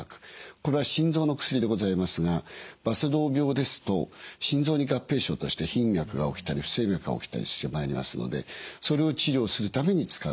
これは心臓の薬でございますがバセドウ病ですと心臓に合併症として頻脈が起きたり不整脈が起きたりしてまいりますのでそれを治療するために使う。